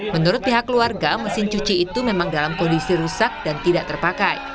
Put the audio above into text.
menurut pihak keluarga mesin cuci itu memang dalam kondisi rusak dan tidak terpakai